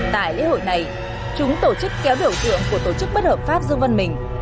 tại lễ hội này chúng tổ chức kéo biểu tượng của tổ chức bất hợp pháp dương văn mình